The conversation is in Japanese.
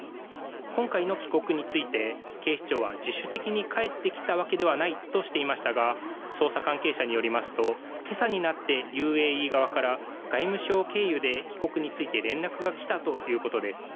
今回の帰国について警視庁は自主的に帰ってきたわけではないとしていましたが捜査関係者によりますと今朝になってＵＡＥ側から外務省経由で帰国について連絡が来たということです。